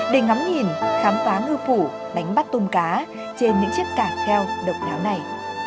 để ngắm nhìn khám phá ngư phủ đánh bắt tôm cá trên những chiếc cả keo độc đáo này